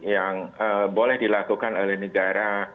yang boleh dilakukan oleh negara